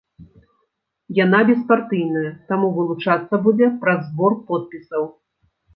Яна беспартыйная, таму вылучацца будзе праз збор подпісаў.